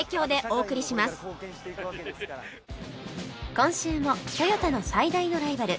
今週もトヨタの最大のライバル